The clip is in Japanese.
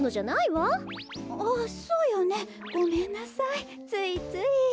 あっそうよねごめんなさいついつい。